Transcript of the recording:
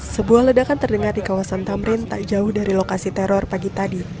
sebuah ledakan terdengar di kawasan tamrin tak jauh dari lokasi teror pagi tadi